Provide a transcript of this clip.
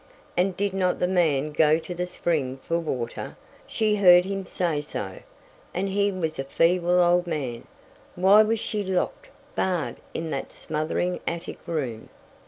And did not the man go to the spring for water? She heard him say so, and he was a feeble old man. Why was she locked barred in that smothering attic room?